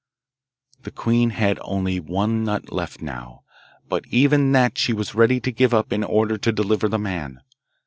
The queen had only one nut left now, but even that she was ready to give up in order to deliver the man.